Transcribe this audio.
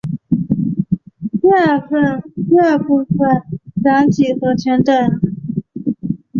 第二部份讲几何全等。